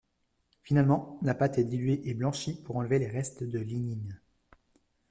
Finalement, la pâte est diluée et blanchie pour enlever les restes de lignine.